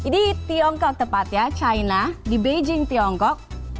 di tiongkok tepat ya china di beijing tiongkok